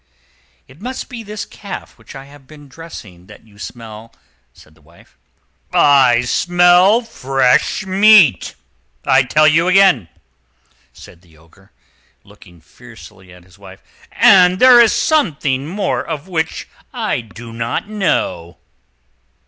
"It must be this calf which I have just been dressing that you smell," said the wife. "I smell fresh meat, I tell you again," said the Ogre, looking fiercely at his wife; "and there is something more of which I do not know."